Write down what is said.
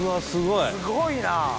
すごいな！